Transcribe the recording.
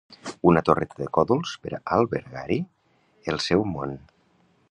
Una torreta de còdols, per a albergar-hi el seu món